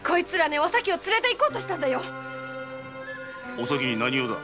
お咲に何用だ！